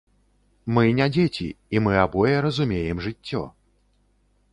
Мы не дзеці, і мы абое разумеем жыццё.